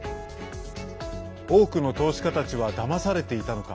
多くの投資家たちはだまされていたのか。